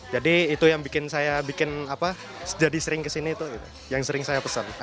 jadi itu yang bikin saya bikin apa jadi sering kesini itu yang sering saya pesan